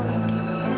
kamu harus hidup